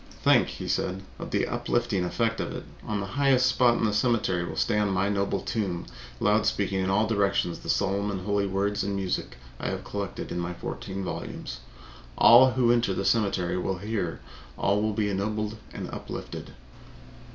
"Think," he said, "of the uplifting effect of it! On the highest spot in the cemetery will stand my noble tomb, loud speaking in all directions the solemn and holy words and music I have collected in my fourteen volumes. All who enter the cemetery will hear; all will be ennobled and uplifted."